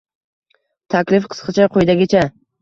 Taklif qisqacha quyidagicha: